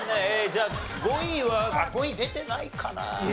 じゃあ５位は５位出てないかな。